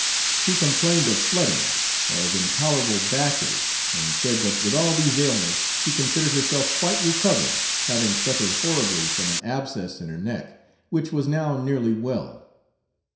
She complained of flooding, of intolerable back ache, and said that with all these ailments, she considered herself quite recovered, having suffered horribly from an abscess in her neck, which was now nearly well.